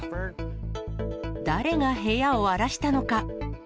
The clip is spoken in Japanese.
誰が部屋を荒らしたのか。